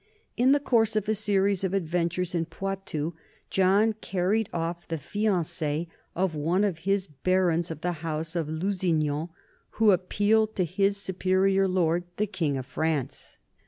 In the course of a series of adventures in Poitou John carried off the fiance of one of his barons of the house of Lusignan, who appealed to his superior lord, the king of France.